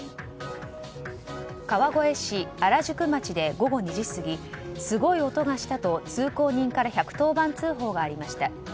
川越市新宿町で午後２時過ぎすごい音がしたと通行人から１１０番通報がありました。